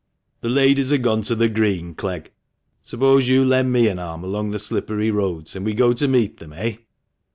"The ladies are gone to the Green, Clegg. Suppose you lend me an arm along the slippery roads, and we go to meet them, eh?"